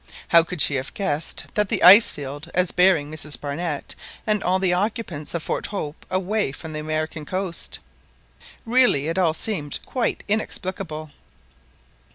How could she have guessed that the ice field as bearing Mrs Barnett and all the occupants of Fort Hope away from the American coast? Really it all seemed quite inexplicable.